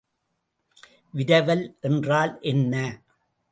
விரவல் என்றால் என்ன?